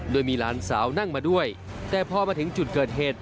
โดยมีหลานสาวนั่งมาด้วยแต่พอมาถึงจุดเกิดเหตุ